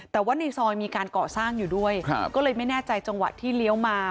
แต่ว่าในซอยมีการก่อสร้างอยู่ด้วยครับก็เลยไม่แน่ใจจังหวะที่เลี้ยวมา